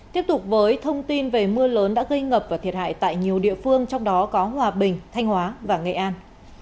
tiếp tục với thông tin về mưa lớn đã gây ngập và thiệt hại tại nhiều địa phương trong đó có hòa bình thanh hóa và nghệ an